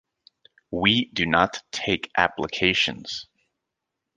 We do not take applications.